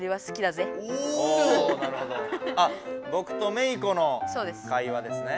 あぼくとメイ子の会話ですね。